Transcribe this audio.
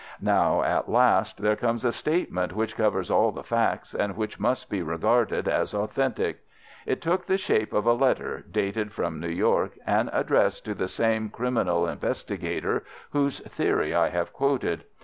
Now, at last, there comes a statement which covers all the facts, and which must be regarded as authentic. It took the shape of a letter dated from New York, and addressed to the same criminal investigator whose theory I have quoted.